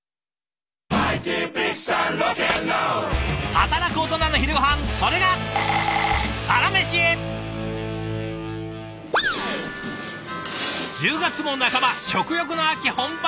働くオトナの昼ごはんそれが１０月も半ば食欲の秋本番！